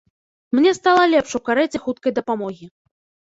Мне стала лепш у карэце хуткай дапамогі.